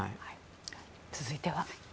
続いては。